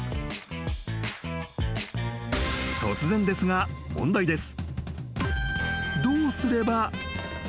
［突然ですが問題です］